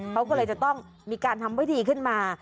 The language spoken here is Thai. เขาก็เลยจะต้องมีการทำวิธีขึ้นมา